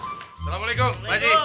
assalamualaikum bu haji